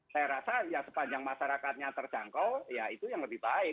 saya rasa ya sepanjang masyarakatnya terjangkau ya itu yang lebih baik